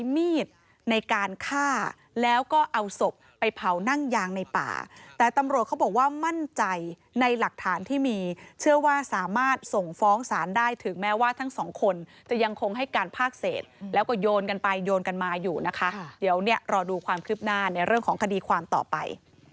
มีดในการฆ่าแล้วก็เอาศพไปเผานั่งยางในป่าแต่ตำรวจเขาบอกว่ามั่นใจในหลักฐานที่มีเชื่อว่าสามารถส่งฟ้องศาลได้ถึงแม้ว่าทั้งสองคนจะยังคงให้การภาคเศษแล้วก็โยนกันไปโยนกันมาอยู่นะคะเดี๋ยวเนี่ยรอดูความคืบหน้าในเรื่องของคดีความต่อไป